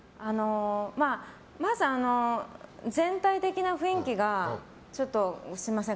まず全体的な雰囲気がちょっとすみません